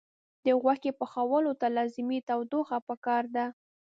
د غوښې پخولو ته لازمي تودوخه پکار ده.